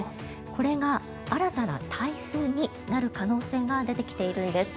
これが新たな台風になる可能性が出てきているんです。